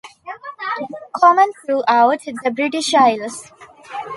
Common throughout the British Isles.